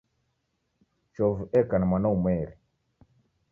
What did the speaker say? Chovu eka na mwana umweri tu.